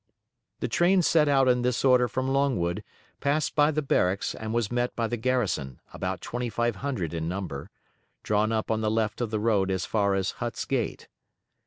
The train set out in this order from Longwood, passed by the barracks, and was met by the garrison, about 2500 in number, drawn up on the left of the road as far as Hut's Gate.